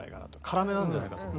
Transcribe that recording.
辛めなんじゃないかと。